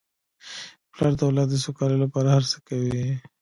پلار د اولاد د سوکالۍ لپاره هر څه کوي.